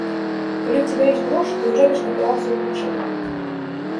Калі ў цябе ёсць грошы, ты зробіш аперацыю хутчэй.